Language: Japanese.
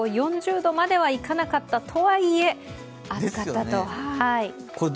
４０度まではいかなかったとはいえ暑かったと。